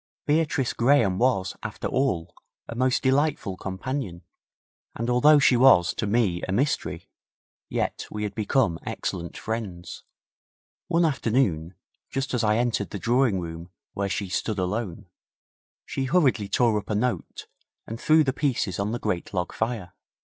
Beatrice Graham was, after all, a most delightful companion, and although she was to me a mystery, yet we had become excellent friends. One afternoon, just as I entered the drawing room where she stood alone, she hurriedly tore up a note, and threw the pieces on the great log fire.